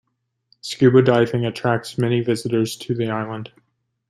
Scuba diving attracts many visitors to the island.